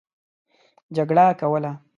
جګړه کوله.